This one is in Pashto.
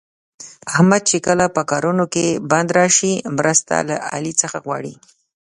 احمد چې کله په کارونو کې بند راشي، مرسته له علي څخه غواړي.